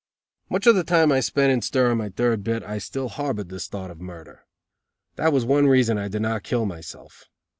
Much of the time I spent in stir on my third bit I still harbored this thought of murder. That was one reason I did not kill myself.